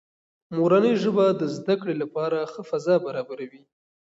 مورنۍ ژبه د زده کړې لپاره ښه فضا برابروي.